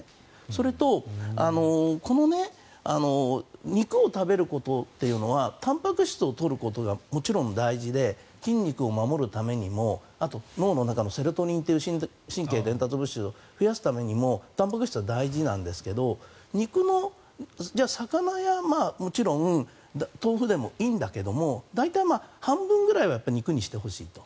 それとこの肉を食べることというのはたんぱく質を取ることがもちろん大事で筋肉を守るためにもあと、脳の中のセロトニンという神経伝達物質を増やすためにもたんぱく質は大事なんですが魚やもちろん豆腐でもいいんだけど大体、半分ぐらいは肉にしてほしいと。